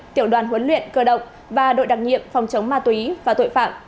tiểu đoàn huấn luyện cơ động và đội đặc nhiệm phòng chống ma túy và tội phạm